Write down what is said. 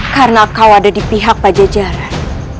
karena kau ada di pihak pajajaran